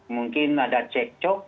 mungkin ada cek cok